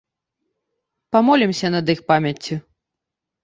Памолімся над іх памяццю.